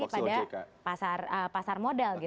pada pasar modal